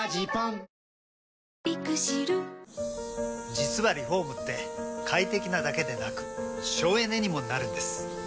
実はリフォームって快適なだけでなく省エネにもなるんです。